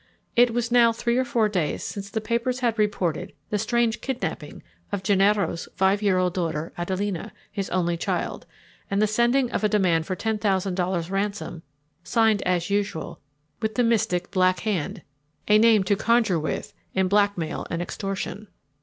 It was now three or four days since the papers had reported the strange kidnapping of Gennaro's five year old daughter Adelina, his only child, and the sending of a demand for ten thousand dollars ransom, signed, as usual, with the mystic Black Hand a name to conjure with in blackmail and extortion.